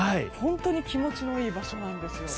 本当に気持ちのいい場所なんです。